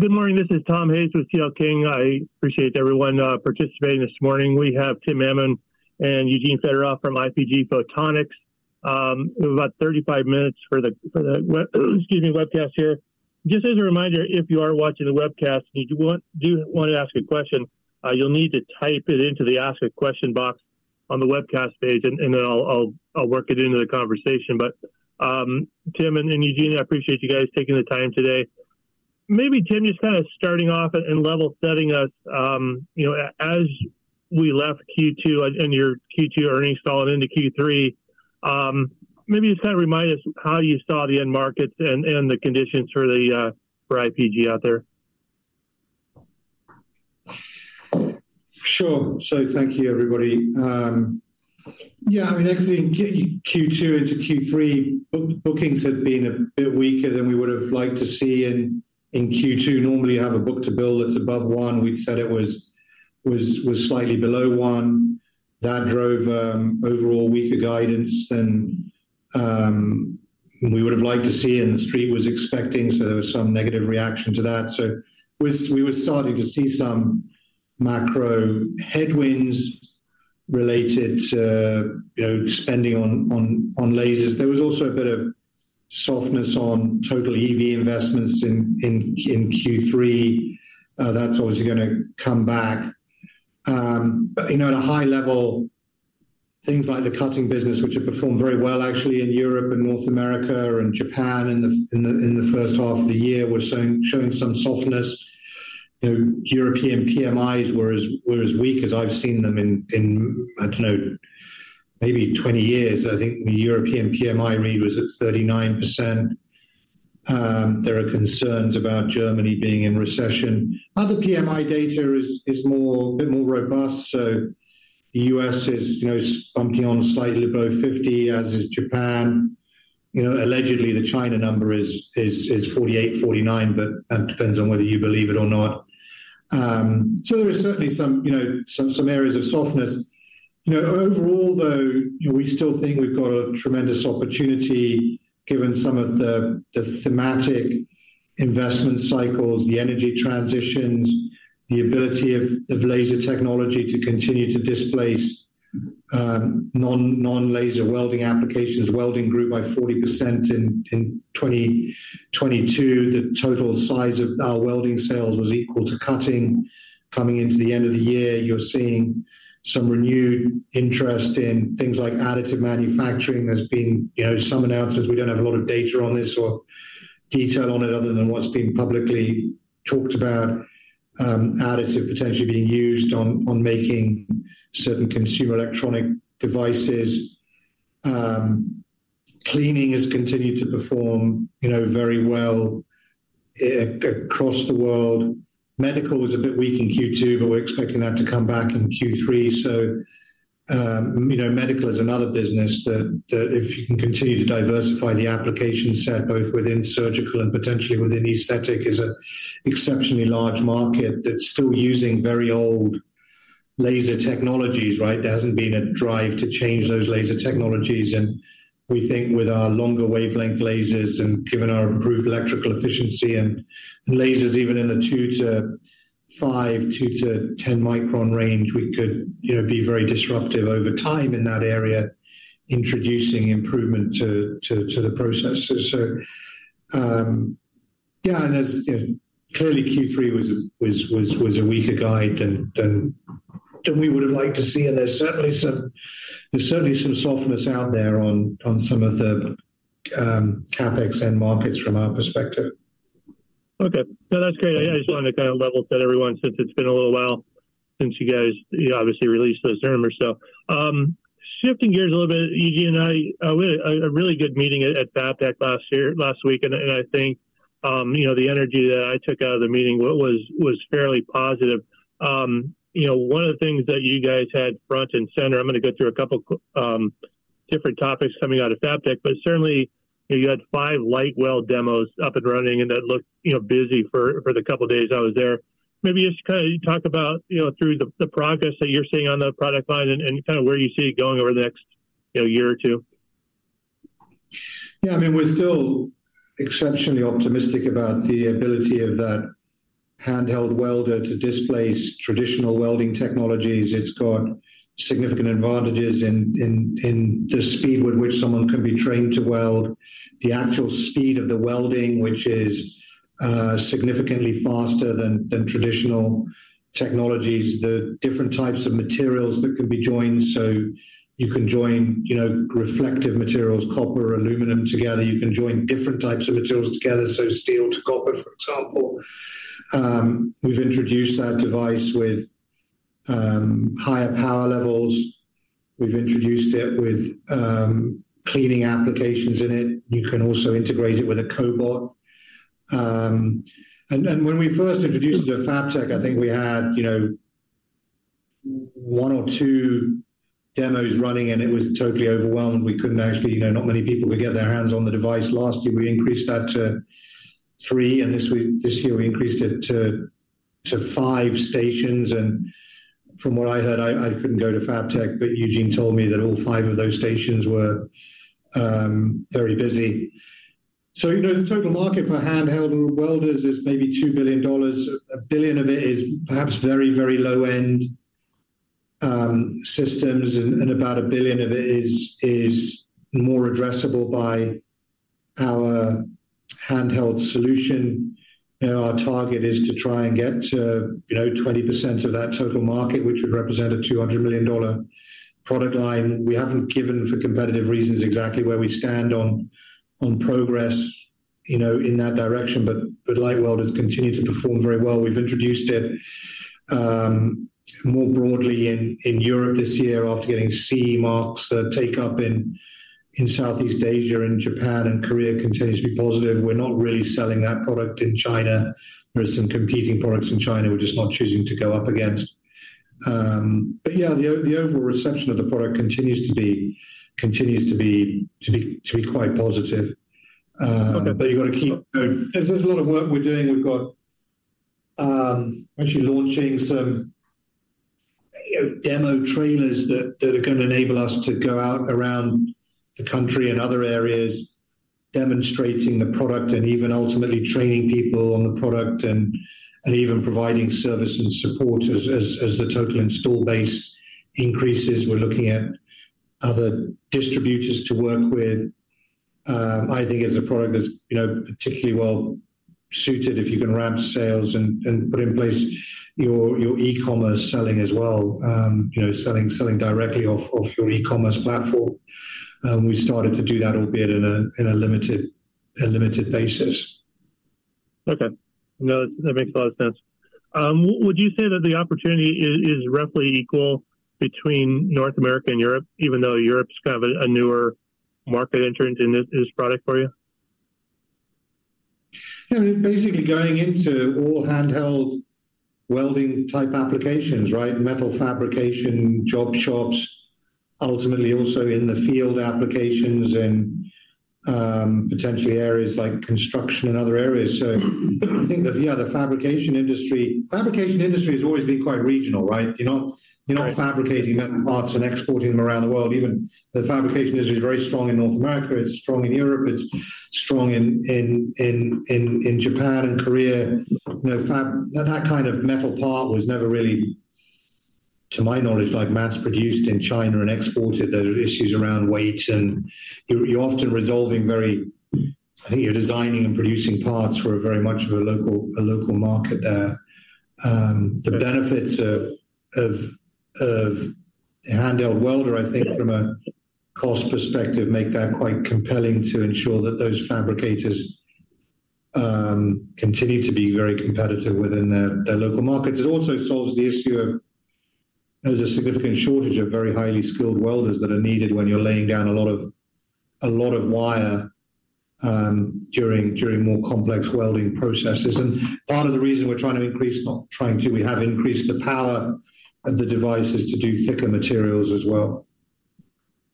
Good morning, this is Tom Hayes with C.L. King. I appreciate everyone participating this morning. We have Tim Mammen and Eugene Fedotoff from IPG Photonics. We have about 35 minutes for the webcast here. Just as a reminder, if you are watching the webcast and you do want to ask a question, you'll need to type it into the Ask a Question box on the webcast page, and then I'll work it into the conversation. But Tim and Eugene, I appreciate you guys taking the time today. Maybe Tim, just kind of starting off and level setting us, you know, as we left Q2 and your Q2 earnings call and into Q3, maybe just kind of remind us how you saw the end markets and the conditions for IPG out there? Sure. So thank you, everybody. Yeah, I mean, actually, in Q2 into Q3, bookings have been a bit weaker than we would have liked to see. In Q2, normally, you have a book-to-bill that's above one. We've said it was slightly below one. That drove overall weaker guidance than we would have liked to see, and the street was expecting, so there was some negative reaction to that. So we were starting to see some macro headwinds related to, you know, spending on lasers. There was also a bit of softness on total EV investments in Q3. That's obviously gonna come back. But, you know, at a high level, things like the cutting business, which have performed very well, actually, in Europe and North America and Japan in the first half of the year, were showing some softness. You know, European PMIs were as weak as I've seen them in, I don't know, maybe 20 years. I think the European PMI read was at 39%. There are concerns about Germany being in recession. Other PMI data is a bit more robust, so the U.S. is, you know, bumping on slightly above 50, as is Japan. You know, allegedly, the China number is 48-49, but that depends on whether you believe it or not. So there is certainly some, you know, some areas of softness. You know, overall, though, you know, we still think we've got a tremendous opportunity, given some of the, the thematic investment cycles, the energy transitions, the ability of, of laser technology to continue to displace non-laser welding applications. Welding grew by 40% in 2022. The total size of our welding sales was equal to cutting. Coming into the end of the year, you're seeing some renewed interest in things like additive manufacturing. There's been, you know, some announcements. We don't have a lot of data on this or detail on it other than what's been publicly talked about, additive potentially being used on making certain consumer electronic devices. Cleaning has continued to perform, you know, very well across the world. Medical was a bit weak in Q2, but we're expecting that to come back in Q3. So, you know, medical is another business that if you can continue to diversify the application set, both within surgical and potentially within aesthetic, is an exceptionally large market that's still using very old laser technologies, right? There hasn't been a drive to change those laser technologies. And we think with our longer wavelength lasers and given our improved electrical efficiency and lasers, even in the two to five, two to 10 micron range, we could, you know, be very disruptive over time in that area, introducing improvement to the process. So, yeah, and as you know, clearly, Q3 was a weaker guide than we would have liked to see, and there's certainly some softness out there on some of the CapEx end markets from our perspective. Okay. No, that's great. I, I just wanted to kind of level set everyone since it's been a little while since you guys, you obviously released those numbers. So, shifting gears a little bit, Eugene and I, we had a really good meeting at FABTECH last year, last week, and I think, you know, the energy that I took out of the meeting was fairly positive. You know, one of the things that you guys had front and center... I'm gonna go through a couple different topics coming out of FABTECH, but certainly, you know, you had five LightWELD demos up and running, and that looked, you know, busy for the couple of days I was there. Maybe just kind of talk about, you know, through the progress that you're seeing on the product line and kind of where you see it going over the next, you know, year or two? Yeah, I mean, we're still exceptionally optimistic about the ability of that handheld welder to displace traditional welding technologies. It's got significant advantages in the speed with which someone can be trained to weld. The actual speed of the welding, which is significantly faster than traditional technologies, the different types of materials that can be joined, so you can join, you know, reflective materials, copper, aluminum together. You can join different types of materials together, so steel to copper, for example. We've introduced that device with higher power levels. We've introduced it with cleaning applications in it. You can also integrate it with a cobot. And then, when we first introduced it to FABTECH, I think we had, you know, one or two demos running, and it was totally overwhelmed. We couldn't actually, you know, not many people could get their hands on the device. Last year, we increased that to three, and this year, we increased it to five stations, and from what I heard, I couldn't go to FABTECH, but Eugene told me that all five of those stations were very busy. So, you know, the total market for handheld welders is maybe $2 billion. $1 billion of it is perhaps very, very low end systems, and about $1 billion of it is more addressable by our handheld solution. You know, our target is to try and get to, you know, 20% of that total market, which would represent a $200 million product line. We haven't given, for competitive reasons, exactly where we stand on progress, you know, in that direction, but LightWELD has continued to perform very well. We've introduced it more broadly in Europe this year after getting CE mark. The take up in Southeast Asia, and Japan, and Korea continues to be positive. We're not really selling that product in China. There are some competing products in China we're just not choosing to go up against. But yeah, the overall reception of the product continues to be quite positive. Okay. But you got to keep. There's a lot of work we're doing. We've got, actually launching some, you know, demo trailers that are gonna enable us to go out around the country and other areas, demonstrating the product and even ultimately training people on the product and even providing service and support as the total install base increases. We're looking at other distributors to work with. I think it's a product that's, you know, particularly well suited if you can ramp sales and put in place your e-commerce selling as well, you know, selling directly off your e-commerce platform. We started to do that, albeit in a limited basis. Okay. No, that makes a lot of sense. Would you say that the opportunity is roughly equal between North America and Europe, even though Europe's kind of a newer market entrant in this product for you? Yeah, we're basically going into all handheld welding type applications, right? Metal fabrication, job shops, ultimately also in the field applications and, potentially areas like construction and other areas. So I think that, yeah, the fabrication industry has always been quite regional, right? You're not, you're not- Right.... fabricating metal parts and exporting them around the world. Even the fabrication industry is very strong in North America, it's strong in Europe, it's strong in Japan and Korea. You know, that kind of metal part was never really, to my knowledge, like, mass produced in China and exported. There are issues around weight, and you're often resolving very... I think you're designing and producing parts for a very much of a local market there. The benefits of a handheld welder, I think from a cost perspective, make that quite compelling to ensure that those fabricators continue to be very competitive within their local markets. It also solves the issue of there's a significant shortage of very highly skilled welders that are needed when you're laying down a lot of, a lot of wire, during more complex welding processes. And part of the reason we're trying to increase, not trying to, we have increased the power of the devices to do thicker materials as well.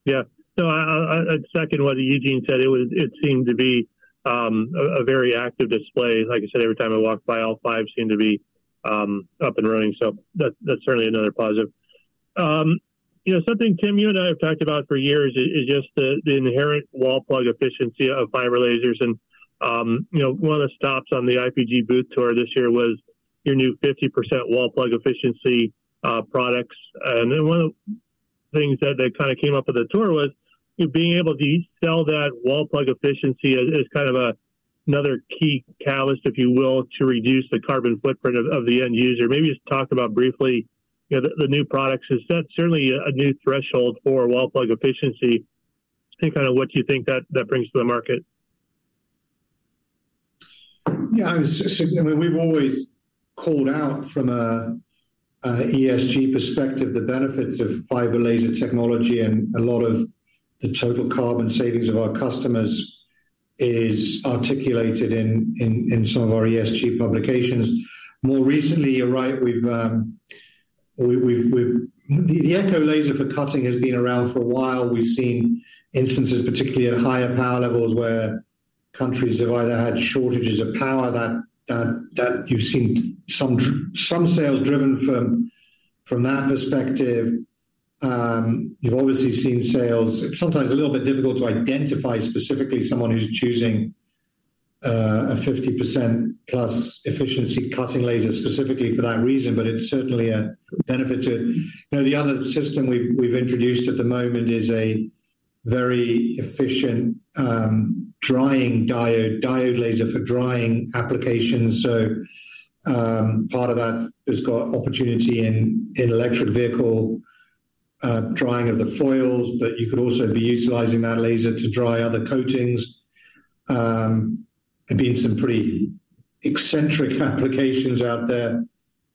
Yeah. So I'd second what Eugene said. It was—it seemed to be a very active display. Like I said, every time I walked by, all five seemed to be up and running. So that's certainly another positive. You know, something, Tim, you and I have talked about for years is just the inherent wall plug efficiency of fiber lasers. And you know, one of the stops on the IPG booth tour this year was your new 50% wall plug efficiency products. And then one of the things that they kinda came up with the tour was you being able to sell that wall plug efficiency as kind of another key catalyst, if you will, to reduce the carbon footprint of the end user. Maybe just talk about briefly, you know, the new products. Is that certainly a new threshold for Wall-Plug Efficiency and kind of what you think that brings to the market? Yeah, I mean, we've always called out from a ESG perspective, the benefits of fiber laser technology, and a lot of the total carbon savings of our customers is articulated in some of our ESG publications. More recently, you're right, we've the ECO laser for cutting has been around for a while. We've seen instances, particularly at higher power levels, where countries have either had shortages of power that you've seen some sales driven from that perspective. You've obviously seen sales. It's sometimes a little bit difficult to identify specifically someone who's choosing a 50%+ efficiency cutting laser specifically for that reason, but it's certainly a benefit to... You know, the other system we've introduced at the moment is a very efficient drying diode laser for drying applications. So, part of that has got opportunity in electric vehicle drying of the foils, but you could also be utilizing that laser to dry other coatings. There's been some pretty eccentric applications out there,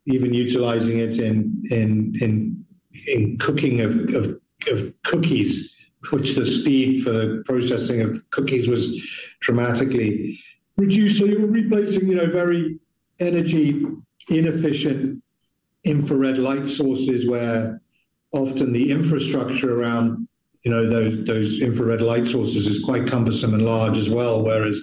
even utilizing it in cooking of cookies, which the speed for the processing of cookies was dramatically reduced. So you're replacing, you know, very energy inefficient infrared light sources, where often the infrastructure around, you know, those infrared light sources is quite cumbersome and large as well. Whereas,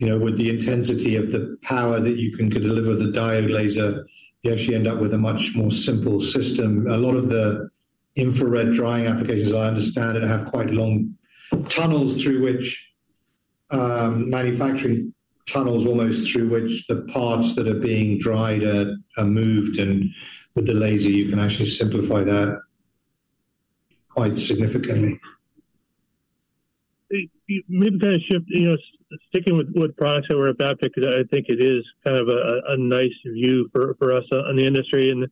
you know, with the intensity of the power that you could deliver the diode laser, you actually end up with a much more simple system. A lot of the infrared drying applications, I understand, and have quite long tunnels through which the parts that are being dried are moved, and with the laser, you can actually simplify that quite significantly. Maybe kind of shift, you know, sticking with products that we're about, because I think it is kind of a nice view for us on the industry. And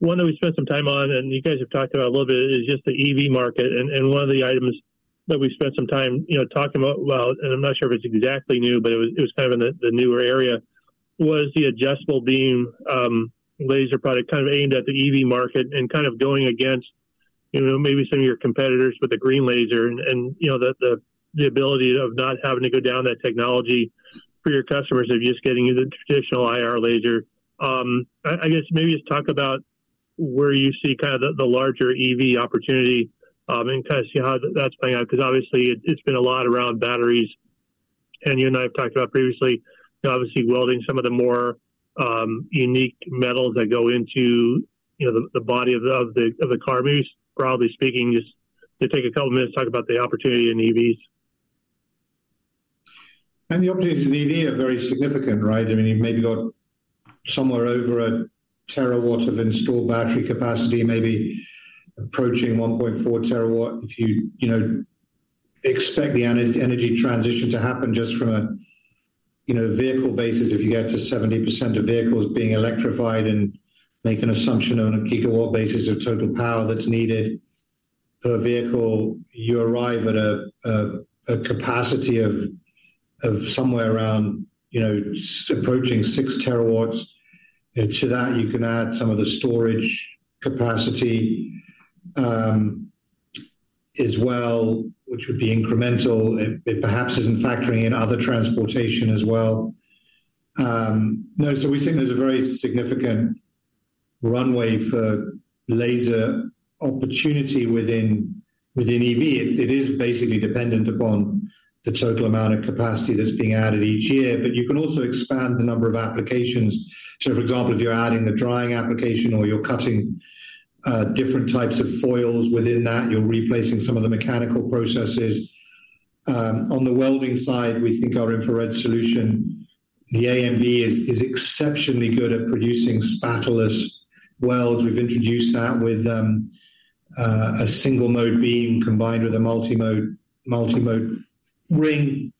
one that we spent some time on, and you guys have talked about a little bit, is just the EV market. And one of the items that we spent some time, you know, talking about, well, and I'm not sure if it's exactly new, but it was kind of in the newer area, was the adjustable beam laser product kind of aimed at the EV market and kind of going against, you know, maybe some of your competitors with the green laser and, you know, the ability of not having to go down that technology for your customers of just getting you the traditional IR laser. I guess maybe just talk about where you see kind of the larger EV opportunity, and kind of see how that's playing out, because obviously it's been a lot around batteries. And you and I have talked about previously, obviously, welding some of the more unique metals that go into, you know, the body of the car. Maybe broadly speaking, just to take a couple minutes to talk about the opportunity in EVs. And the opportunities in EV are very significant, right? I mean, you've maybe got somewhere over a terawatt of installed battery capacity, maybe approaching 1.4 TW. If you, you know, expect the energy transition to happen just from a, you know, vehicle basis, if you get to 70% of vehicles being electrified and make an assumption on a gigawatt basis of total power that's needed per vehicle, you arrive at a capacity of somewhere around, you know, approaching 6 TW. And to that, you can add some of the storage capacity, as well, which would be incremental. It perhaps isn't factoring in other transportation as well. So we think there's a very significant runway for laser opportunity within, within EV. It is basically dependent upon the total amount of capacity that's being added each year, but you can also expand the number of applications. So for example, if you're adding a drying application or you're cutting different types of foils within that, you're replacing some of the mechanical processes. On the welding side, we think our infrared solution, the AMB, is exceptionally good at producing spatterless welds. We've introduced that with a single mode beam combined with a multi-mode ring.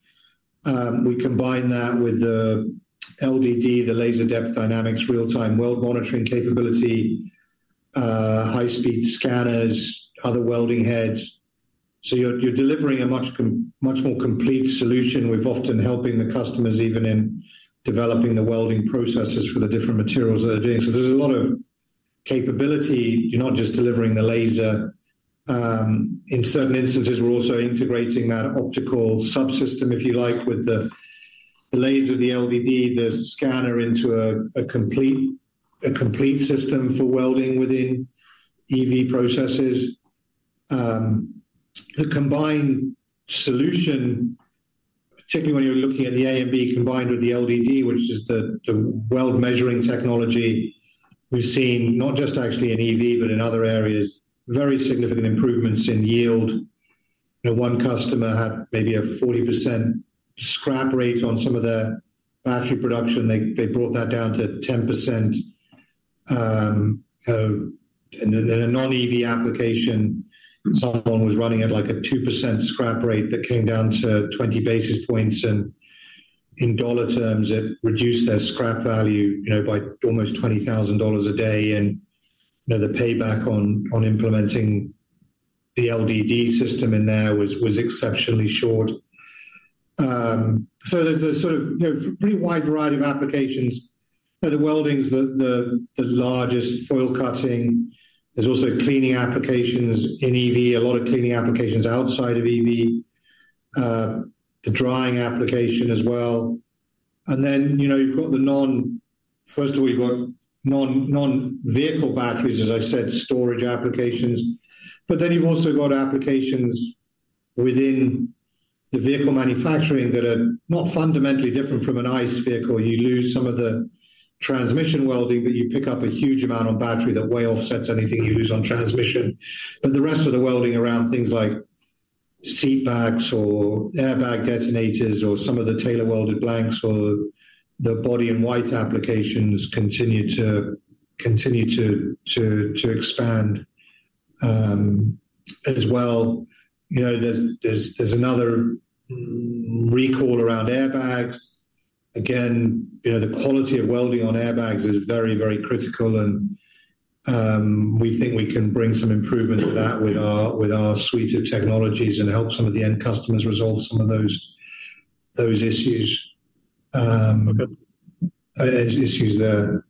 We combine that with the LDD, the Laser Depth Dynamics, real-time weld monitoring capability, high-speed scanners, other welding heads. So you're delivering a much more complete solution. We've often helping the customers, even in developing the welding processes for the different materials that they're doing. So there's a lot of capability. You're not just delivering the laser. In certain instances, we're also integrating that optical subsystem, if you like, with the laser, the LDD, the scanner, into a complete system for welding within EV processes. The combined solution, particularly when you're looking at the AMB combined with the LDD, which is the weld measuring technology, we've seen not just actually in EV, but in other areas, very significant improvements in yield. You know, one customer had maybe a 40% scrap rate on some of their battery production. They brought that down to 10%. In a non-EV application, someone was running at, like, a 2% scrap rate that came down to 20 basis points, and in dollar terms, it reduced their scrap value, you know, by almost $20,000 a day. And, you know, the payback on implementing the LDD system in there was exceptionally short. So there's a sort of, you know, pretty wide variety of applications. You know, the welding's the largest, foil cutting. There's also cleaning applications in EV, a lot of cleaning applications outside of EV, the drying application as well. And then, you know, you've got the non-vehicle batteries, as I said, storage applications. But then you've also got applications within the vehicle manufacturing that are not fundamentally different from an ICE vehicle. You lose some of the transmission welding, but you pick up a huge amount on battery that way offsets anything you lose on transmission. But the rest of the welding around things like seat bags or airbag detonators, or some of the Tailor Welded Blanks, or the Body-in-White applications continue to expand, as well. You know, there's another recall around airbags. Again, you know, the quality of welding on airbags is very, very critical, and we think we can bring some improvement to that with our suite of technologies and help some of the end customers resolve some of those issues. Okay. Issues there.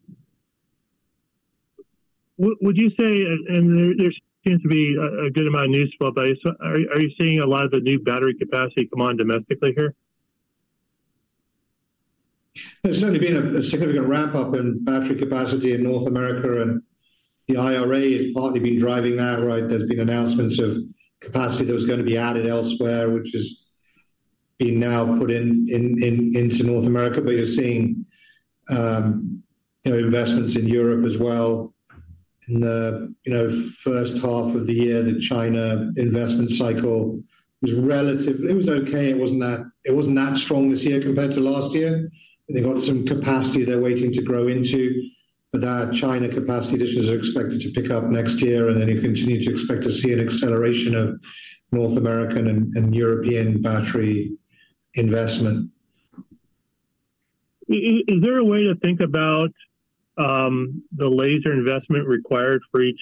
Would you say, and there seems to be a good amount of news flow base. Are you seeing a lot of the new battery capacity come on domestically here? There's certainly been a significant ramp-up in battery capacity in North America, and the IRA has partly been driving that, right? There's been announcements of capacity that was gonna be added elsewhere, which is being now put into North America. But you're seeing, you know, investments in Europe as well. In the, you know, first half of the year, the China investment cycle was relatively. It was okay. It wasn't that, it wasn't that strong this year compared to last year. They got some capacity they're waiting to grow into. But that China capacity, this is expected to pick up next year, and then you continue to expect to see an acceleration of North American and European battery investment. Is there a way to think about the laser investment required for each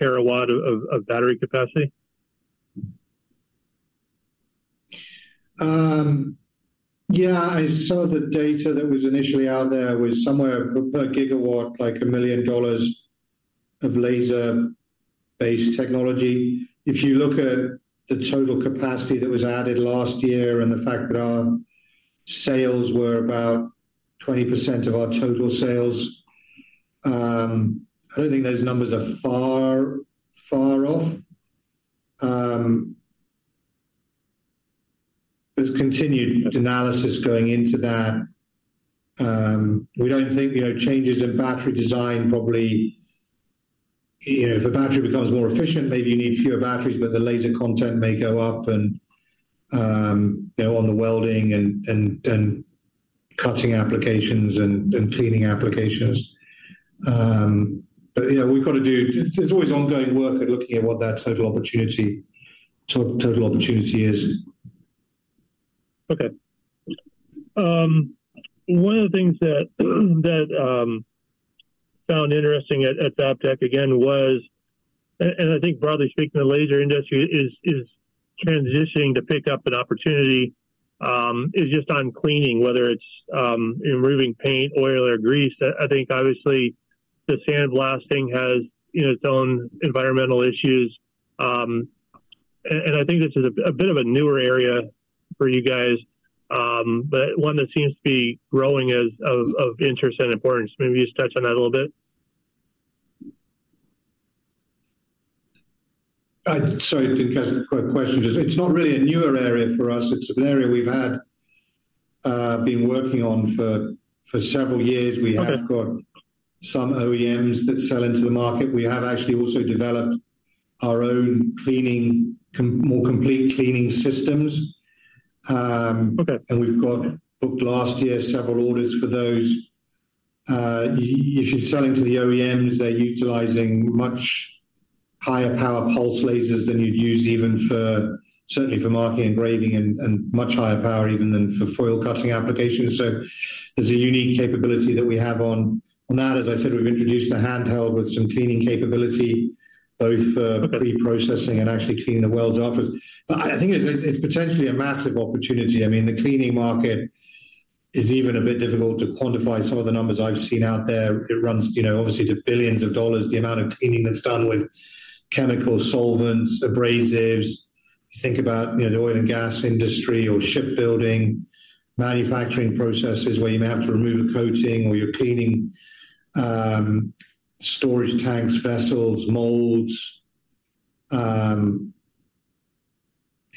terawatt of battery capacity? Yeah, I saw the data that was initially out there was somewhere per gigawatt, like $1 million of laser-based technology. If you look at the total capacity that was added last year and the fact that our sales were about 20% of our total sales, I don't think those numbers are far, far off. There's continued analysis going into that. We don't think, you know, changes in battery design probably. If a battery becomes more efficient, maybe you need fewer batteries, but the laser content may go up and, you know, on the welding and cutting applications and cleaning applications. But, you know, we've got to do. There's always ongoing work at looking at what that total opportunity is. Okay. One of the things that I found interesting at the Optech, again, was, and I think broadly speaking, the laser industry is transitioning to pick up an opportunity, is just on cleaning, whether it's removing paint, oil or grease. I think obviously, the sandblasting has, you know, its own environmental issues. And I think this is a bit of a newer area for you guys, but one that seems to be growing, of interest and importance. Maybe just touch on that a little bit. Sorry, just a quick question. It's not really a newer area for us. It's an area we've had, been working on for several years. Okay. We have got some OEMs that sell into the market. We have actually also developed our own cleaning, more complete cleaning systems. Okay. We've got booked last year, several orders for those. If you're selling to the OEMs, they're utilizing much higher power pulse lasers than you'd use even for, certainly for marking, engraving, and much higher power even than for foil cutting applications. So there's a unique capability that we have on, on that. As I said, we've introduced a handheld with some cleaning capability, both for pre-processing and actually cleaning the welds off it. But I think it's, it's potentially a massive opportunity. I mean, the cleaning market is even a bit difficult to quantify some of the numbers I've seen out there. It runs, you know, obviously, to billions of dollars, the amount of cleaning that's done with chemical solvents, abrasives. You think about, you know, the oil and gas industry or shipbuilding, manufacturing processes, where you may have to remove a coating or you're cleaning storage tanks, vessels, molds.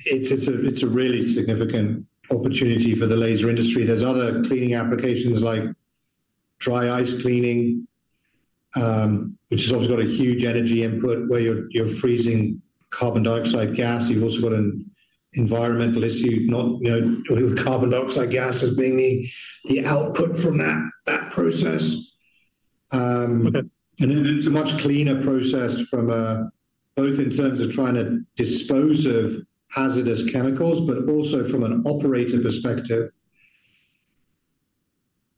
It's a, it's a really significant opportunity for the laser industry. There's other cleaning applications like dry ice cleaning, which has also got a huge energy input, where you're freezing carbon dioxide gas. You've also got an environmental issue, not, you know, with carbon dioxide gas as being the output from that process. Okay. And it's a much cleaner process from both in terms of trying to dispose of hazardous chemicals, but also from an operator perspective.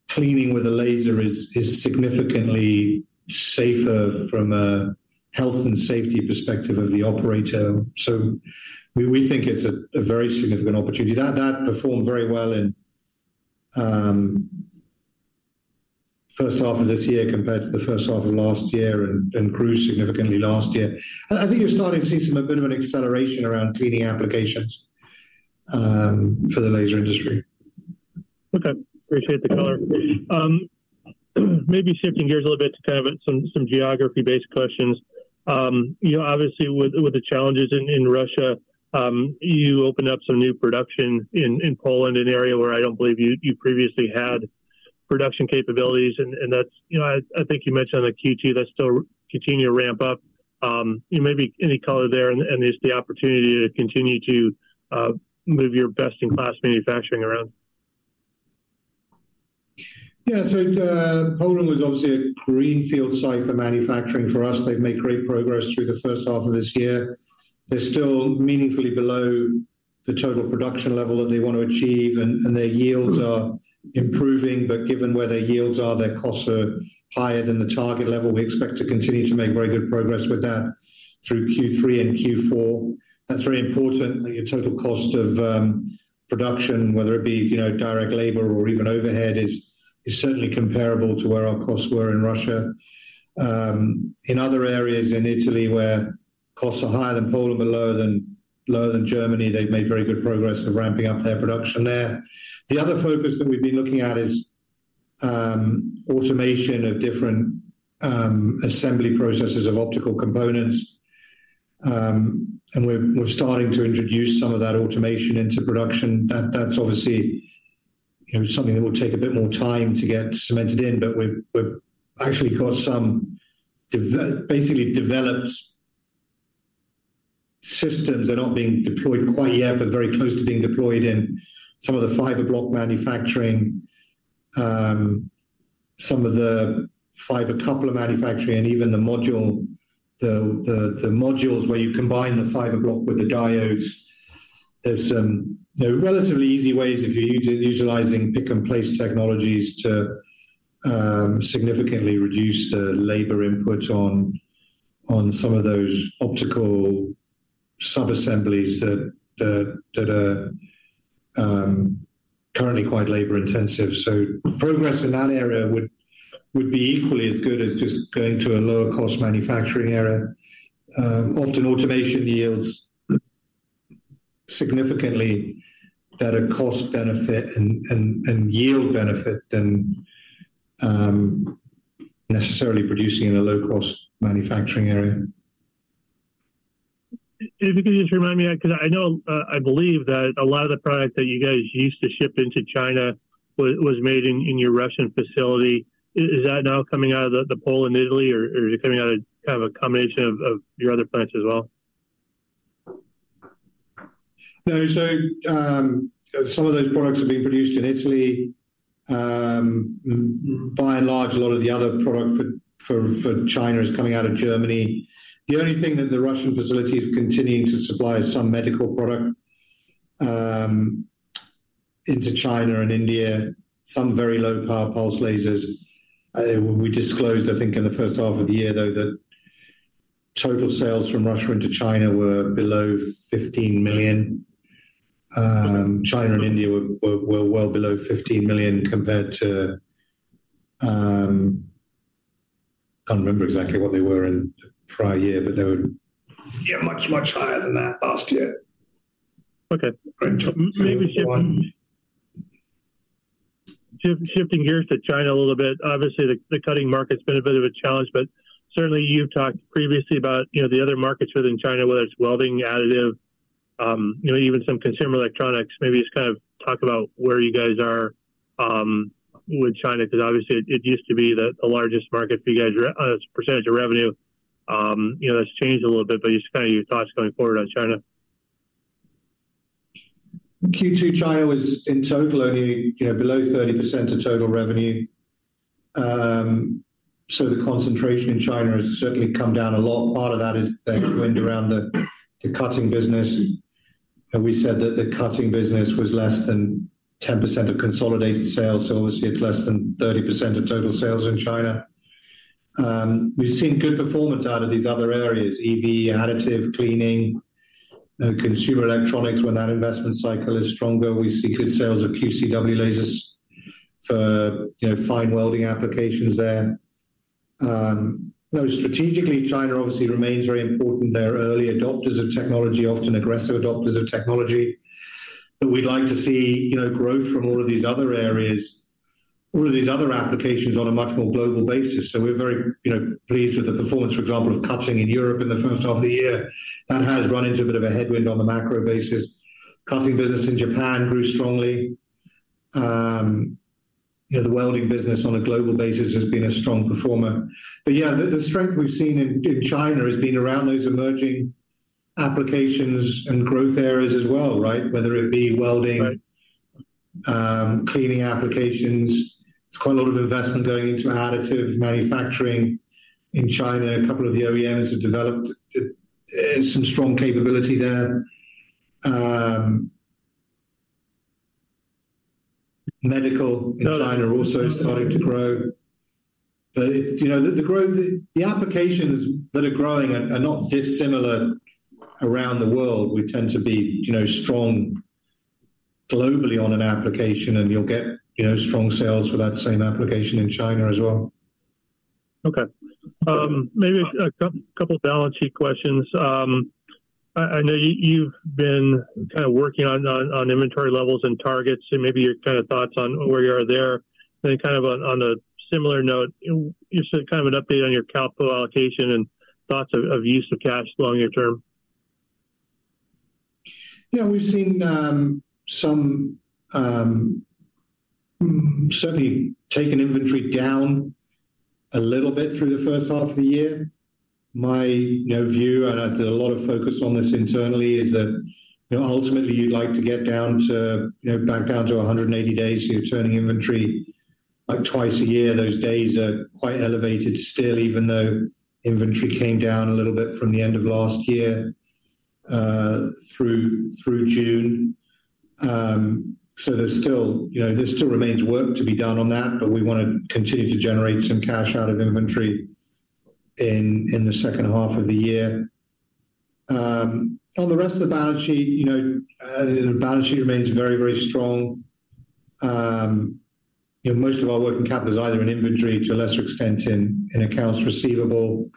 Cleaning with a laser is, is significantly safer from a health and safety perspective of the operator. So we, we think it's a, a very significant opportunity. That, that performed very well in first half of this year compared to the first half of last year and, and grew significantly last year. I think you're starting to see some, a bit of an acceleration around cleaning applications for the laser industry. Okay, appreciate the color. Maybe shifting gears a little bit to kind of some, some geography-based questions. You know, obviously, with, with the challenges in, in Russia, you opened up some new production in, in Poland, an area where I don't believe you, you previously had production capabilities. And, and that's, you know, I, I think you mentioned on the Q2, that's still continuing to ramp up. You know, maybe any color there, and, and is the opportunity to continue to, move your best-in-class manufacturing around? Yeah, so, Poland was obviously a greenfield site for manufacturing for us. They've made great progress through the first half of this year. They're still meaningfully below the total production level that they want to achieve, and, and their yields are improving. But given where their yields are, their costs are higher than the target level. We expect to continue to make very good progress with that through Q3 and Q4. That's very important. The total cost of production, whether it be, you know, direct labor or even overhead, is, is certainly comparable to where our costs were in Russia. In other areas in Italy costs are higher than Poland, but lower than, lower than Germany. They've made very good progress of ramping up their production there. The other focus that we've been looking at is automation of different assembly processes of optical components. And we're starting to introduce some of that automation into production. That's obviously, you know, something that will take a bit more time to get cemented in, but we've actually got some basically developed systems. They're not being deployed quite yet, but very close to being deployed in some of the fiber block manufacturing, some of the fiber coupler manufacturing, and even the modules where you combine the fiber block with the diodes. There's some, you know, relatively easy ways if you're utilizing pick and place technologies to significantly reduce the labor input on some of those optical sub-assemblies that are currently quite labor-intensive. So progress in that area would be equally as good as just going to a lower cost manufacturing area. Often automation yields significantly better cost benefit and yield benefit than necessarily producing in a low-cost manufacturing area. If you could just remind me, because I know I believe that a lot of the product that you guys used to ship into China was made in your Russian facility. Is that now coming out of the Poland, Italy, or is it coming out of kind of a combination of your other plants as well? No. So, some of those products are being produced in Italy. By and large, a lot of the other product for China is coming out of Germany. The only thing that the Russian facility is continuing to supply is some medical product into China and India, some very low-power pulse lasers. We disclosed, I think, in the first half of the year, though, that total sales from Russia into China were below $15 million. China and India were well below $15 million compared to, I can't remember exactly what they were in the prior year, but they were, yeah, much higher than that last year. Okay. Maybe shift, shifting gears to China a little bit. Obviously, the cutting market's been a bit of a challenge, but certainly you've talked previously about, you know, the other markets within China, whether it's welding, additive, you know, even some consumer electronics. Maybe just kind of talk about where you guys are with China, because obviously it used to be the largest market for you guys as a percentage of revenue. You know, that's changed a little bit, but just kind of your thoughts going forward on China. Q2, China was, in total, only, you know, below 30% of total revenue. So the concentration in China has certainly come down a lot. A lot of that is going around the cutting business, and we said that the cutting business was less than 10% of consolidated sales, so obviously it's less than 30% of total sales in China. We've seen good performance out of these other areas: EV, additive, cleaning, consumer electronics. When that investment cycle is stronger, we see good sales of QCW lasers for, you know, fine welding applications there. You know, strategically, China obviously remains very important. They're early adopters of technology, often aggressive adopters of technology, but we'd like to see, you know, growth from all of these other areas, all of these other applications on a much more global basis. So we're very, you know, pleased with the performance, for example, of cutting in Europe in the first half of the year. That has run into a bit of a headwind on the macro basis. Cutting business in Japan grew strongly. You know, the welding business on a global basis has been a strong performer. But yeah, the, the strength we've seen in, in China has been around those emerging applications and growth areas as well, right? Whether it be welding- Right. Cleaning applications. There's quite a lot of investment going into additive manufacturing in China. A couple of the OEMs have developed some strong capability there. Medical in China are also starting to grow. But, you know, the growth, the applications that are growing are not dissimilar around the world. We tend to be, you know, strong globally on an application, and you'll get, you know, strong sales for that same application in China as well. Okay. Maybe a couple of balance sheet questions. I know you've been kind of working on inventory levels and targets, and maybe your kind of thoughts on where you are there. And then kind of on a similar note, just kind of an update on your capital allocation and thoughts of use of cash longer term. Yeah, we've seen some certainly taken inventory down a little bit through the first half of the year. My, you know, view, and I've done a lot of focus on this internally, is that, you know, ultimately you'd like to get down to, you know, back down to 180 days of your turning inventory, like twice a year. Those days are quite elevated still, even though inventory came down a little bit from the end of last year through June. So there's still, you know, there still remains work to be done on that, but we wanna continue to generate some cash out of inventory in the second half of the year. On the rest of the balance sheet, you know, the balance sheet remains very, very strong.... You know, most of our working capital is either in inventory to a lesser extent in accounts receivable.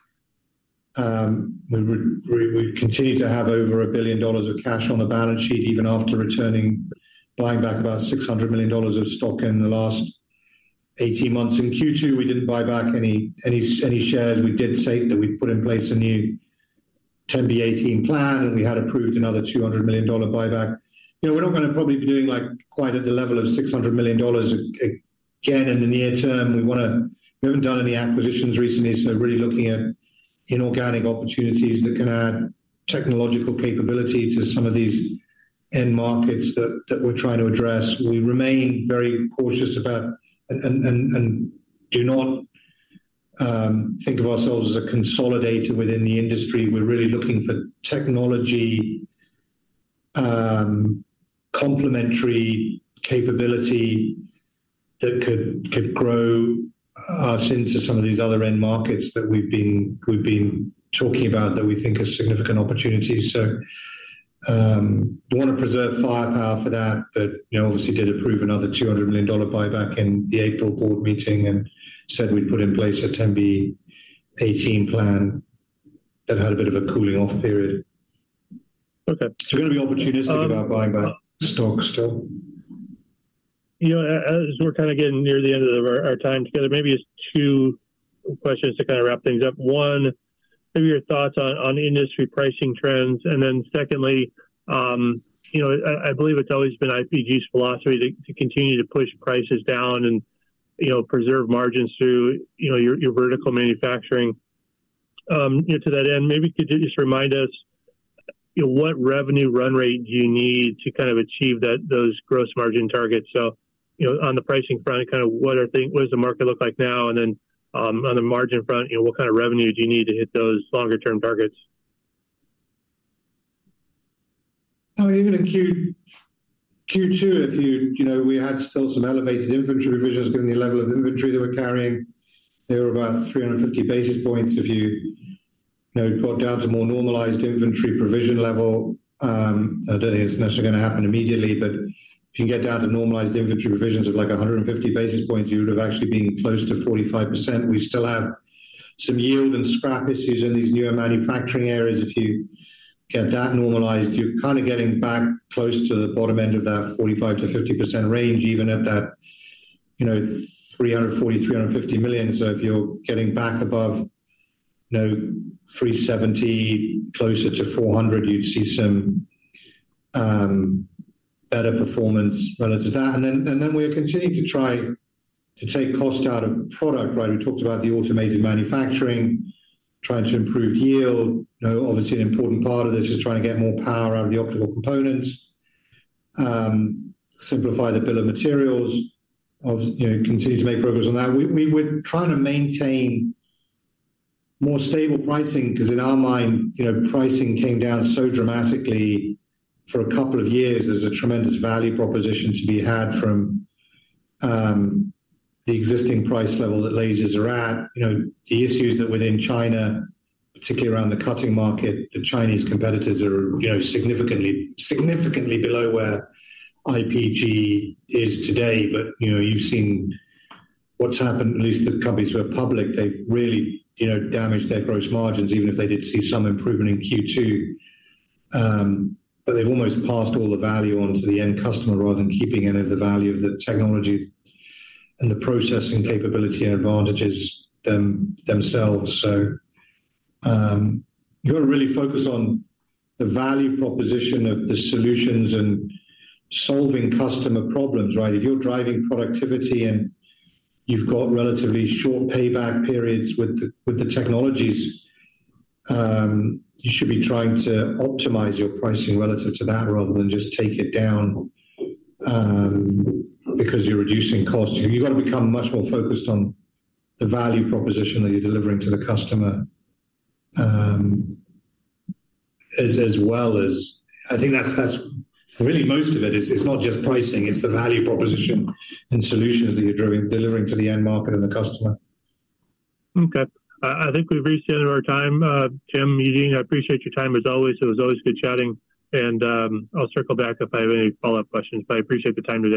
We continue to have over $1 billion of cash on the balance sheet, even after returning, buying back about $600 million of stock in the last 18 months. In Q2, we didn't buy back any shares. We did say that we put in place a new 10b5-1 plan, and we had approved another $200 million buyback. You know, we're not gonna probably be doing, like, quite at the level of $600 million again in the near term. We wanna, we haven't done any acquisitions recently, so really looking at inorganic opportunities that can add technological capability to some of these end markets that we're trying to address. We remain very cautious about, and do not think of ourselves as a consolidator within the industry. We're really looking for technology, complementary capability that could grow us into some of these other end markets that we've been talking about that we think are significant opportunities. So, we wanna preserve firepower for that, but, you know, obviously did approve another $200 million buyback in the April board meeting and said we'd put in place a 10b5-1 plan that had a bit of a cooling off period. Okay. We're gonna be opportunistic about buying back stock still. You know, as we're kind of getting near the end of our time together, maybe just two questions to kind of wrap things up. One, give me your thoughts on industry pricing trends. And then secondly, you know, I believe it's always been IPG's philosophy to continue to push prices down and, you know, preserve margins through your vertical manufacturing. You know, to that end, maybe could you just remind us, you know, what revenue run rate do you need to kind of achieve that, those gross margin targets? So, you know, on the pricing front, kind of what are things, what does the market look like now? And then, on the margin front, you know, what kind of revenue do you need to hit those longer term targets? Oh, even in Q2, Q2, if you, you know, we had still some elevated inventory provisions, given the level of inventory that we're carrying, they were about 350 basis points. If you, you know, got down to more normalized inventory provision level, I don't think it's necessarily gonna happen immediately, but if you can get down to normalized inventory provisions of like a 150 basis points, you would have actually been close to 45%. We still have some yield and scrap issues in these newer manufacturing areas. If you get that normalized, you're kind of getting back close to the bottom end of that 45%-50% range, even at that, you know, $340 million-$350 million. So if you're getting back above, you know, 370, closer to 400, you'd see some better performance relative to that. And then we're continuing to try to take cost out of product, right? We talked about the automated manufacturing, trying to improve yield. You know, obviously, an important part of this is trying to get more power out of the optical components, simplify the bill of materials, of, you know, continue to make progress on that. We're trying to maintain more stable pricing, because in our mind, you know, pricing came down so dramatically for a couple of years. There's a tremendous value proposition to be had from the existing price level that lasers are at. You know, the issues that within China, particularly around the cutting market, the Chinese competitors are, you know, significantly below where IPG is today. But, you know, you've seen what's happened, at least the companies who are public, they've really, you know, damaged their gross margins, even if they did see some improvement in Q2. But they've almost passed all the value on to the end customer rather than keeping any of the value of the technology and the processing capability and advantages them, themselves. So, you're really focused on the value proposition of the solutions and solving customer problems, right? If you're driving productivity and you've got relatively short payback periods with the technologies, you should be trying to optimize your pricing relative to that rather than just take it down, because you're reducing costs. You've got to become much more focused on the value proposition that you're delivering to the customer, as well as... I think that's really most of it. It's not just pricing, it's the value proposition and solutions that you're driving, delivering to the end market and the customer. Okay. I think we've reached the end of our time, Tim, meeting. I appreciate your time, as always. It was always good chatting, and I'll circle back if I have any follow-up questions, but I appreciate the time today.